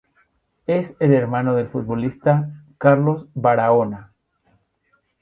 Es hermano del futbolista Carlos Barahona.